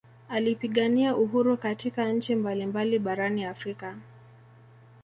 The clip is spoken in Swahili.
Alipigania uhuru katika nchi mbali mbali barani Afrika